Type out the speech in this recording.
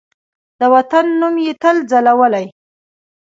د وطن نوم یې تل ځلولی